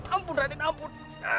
ampun raden ampun